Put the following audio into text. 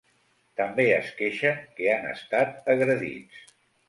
També es queixen que han estat agredits.